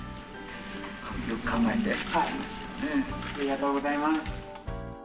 ありがとうございます。